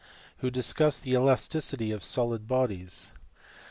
479, 481), who discussed the elasti city of solid bodies.